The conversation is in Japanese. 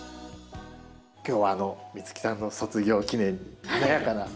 今日は美月さんの卒業記念に華やかな。